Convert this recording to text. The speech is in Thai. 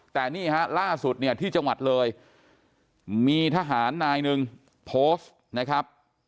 แต่นี่ฮะล่าสุดเนี่ยที่จังหวัดเลยมีทหารนายหนึ่งโพสต์นะครับ